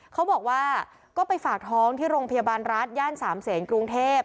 เขาบอกว่าก็ไปฝากท้องที่โรงพยาบาลรัฐย่านสามเศษกรุงเทพ